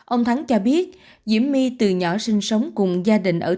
ông thắng cho biết diễm my từ nhỏ sinh sống cùng gia đình ở tùng văn lai